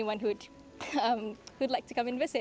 yang ingin datang dan mengunjungi